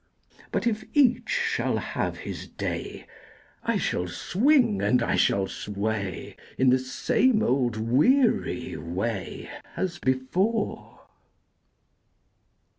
But if each shall have his day, I shall swing and I shall sway In the same old weary way As before.